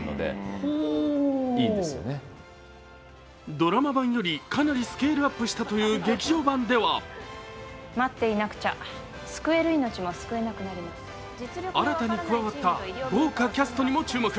ドラマ版より、かなりスケールアップしたという劇場版では新たに加わった豪華キャストにも注目。